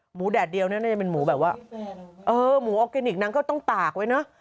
แดดเดียวน่าจะเป็นหมูแบบว่าเออหมูออร์แกนิคนังก็ต้องตากไว้เนอะ